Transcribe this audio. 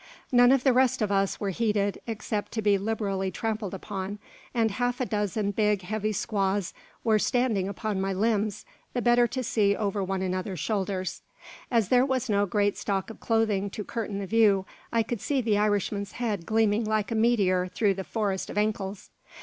None of the rest of us were heeded, except to be liberally trampled upon; and half a dozen big, heavy squaws were standing upon my limbs, the better to see over one another's shoulders. As there was no great stock of clothing to curtain the view, I could see the Irishman's head gleaming like a meteor through the forest of ankles.